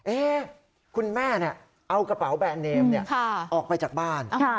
เอ๊ะคุณแม่เนี่ยเอากระเป๋าแบรนด์เนมเนี่ยออกไปจากบ้าน